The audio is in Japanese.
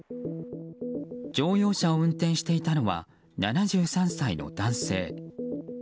乗用車を運転していたのは７３歳の男性。